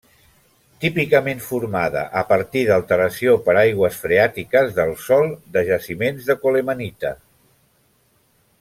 Típicament formada a partir d'alteració per aigües freàtiques del sòl de jaciments de colemanita.